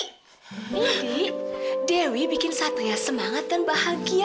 nidhi dewi bikin satria semangat dan bahagia